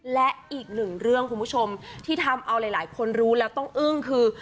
และอีกหนึ่งเรื่องคุณผู้ชมที่ทำเอาหลายคนรู้แล้วต้องอึ้งคือ